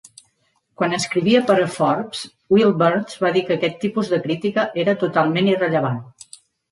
Quan escrivia per a "Forbes", Will Burns va dir que aquest tipus de crítica era "totalment irrellevant".